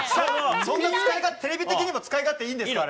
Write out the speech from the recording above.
そんな使い方、テレビ的にも使い勝手いいんですか？